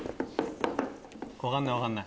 分かんない分かんない。